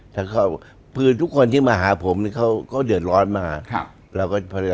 ทุกคนที่มาหาผมเขาก็เดือดร้อนมาก